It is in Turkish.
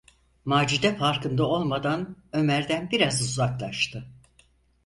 Macide farkında olmadan Ömer’den biraz uzaklaştı.